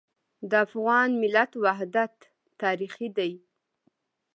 د افغان ملت وحدت تاریخي دی.